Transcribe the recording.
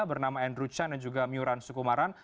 bernama andrew chan dan juga miuran sukumaran